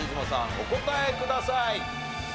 お答えください。